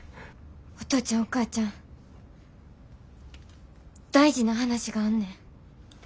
お父ちゃんお母ちゃん大事な話があんねん。